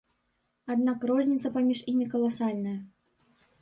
Аднак розніца паміж імі каласальная.